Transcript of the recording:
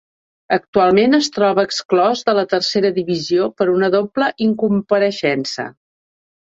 Actualment es troba exclòs de la Tercera Divisió per una doble incompareixença.